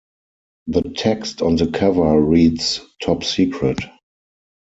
The text on the cover reads Top secret.